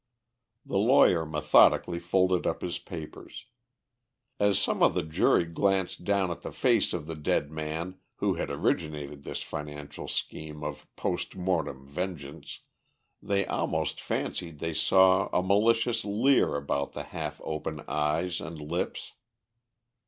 The lawyer methodically folded up his papers. As some of the jury glanced down at the face of the dead man who had originated this financial scheme of post mortem vengeance, they almost fancied they saw a malicious leer about the half open eyes and lips.